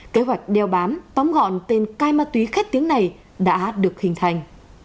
kế hoạch đeo bán tóm gọn tên cai ma túy khách tiếng này đã được hình thành